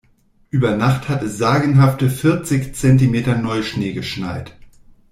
Über Nacht hat es sagenhafte vierzig Zentimeter Neuschnee geschneit.